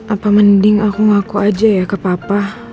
apa mending aku ngaku aja ya ke papa